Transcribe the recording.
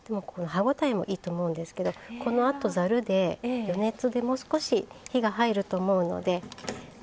歯応えもいいと思うんですけどこのあとざるで余熱でもう少し火が入ると思うので。